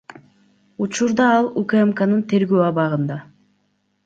Учурда ал УКМКнын тергөө абагында.